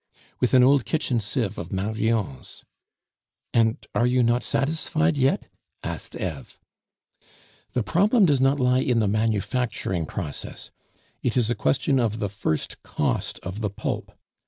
"With an old kitchen sieve of Marion's." "And are you not satisfied yet?" asked Eve. "The problem does not lie in the manufacturing process; it is a question of the first cost of the pulp.